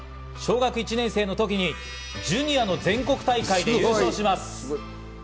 小学１年生の時にジュニアの全国大会で優勝します。